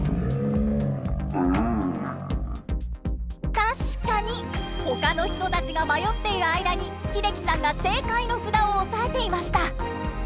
確かにほかの人たちが迷っている間に英樹さんが正解の札を押さえていました。